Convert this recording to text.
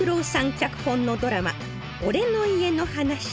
脚本のドラマ「俺の家の話」。